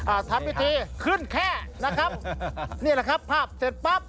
อ่าทำพิธีขึ้นแค่นะครับนี่แหละครับภาพเสร็จปั๊บ